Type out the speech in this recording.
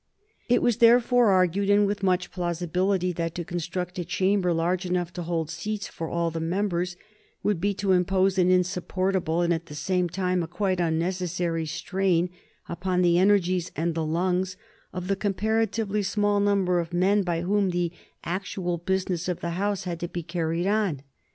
It was therefore argued, and with much plausibility, that to construct a chamber large enough to hold seats for all the members would be to impose an insupportable, and at the same time a quite unnecessary, strain upon the energies and the lungs of the comparatively small number of men by whom the actual business of the House had to be carried on.